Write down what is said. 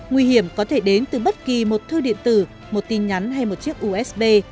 nguy hiểm có thể đến từ bất kỳ một thư điện tử một tin nhắn hay một chiếc usb